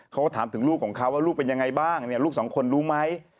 เขาก็ถามถึงลูกของเขาว่าลูกเป็นยังไงบ้างลูกสองคนรู้ไหม